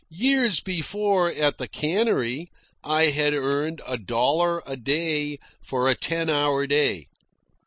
Years before, at the cannery, I had earned a dollar a day for a ten hour day.